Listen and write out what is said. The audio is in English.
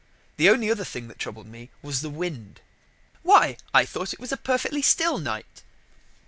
The only other thing that troubled me was the wind." "Why, I thought it was a perfectly still night."